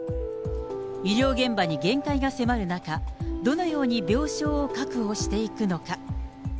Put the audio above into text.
医療現場に限界が迫る中、どのように病床を確保していくのか。